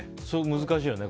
難しいよね。